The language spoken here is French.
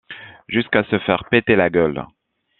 Jusqu’à se faire péter la gueule.